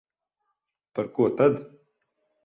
Par ko tad?